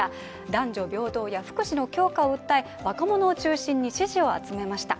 男女平等や福祉の強化を訴え若者を中心に支持を集めました。